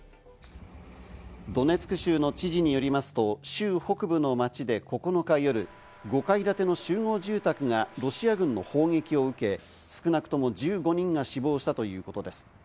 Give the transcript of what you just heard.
ドネツク州の知事によりますと州北部の町で９日夜、５階建ての集合住宅がロシア軍の砲撃を受け、少なくとも１５人が死亡したということです。